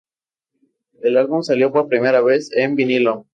El álbum salió por primera vez en vinilo.